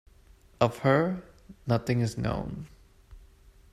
Of her, nothing is known.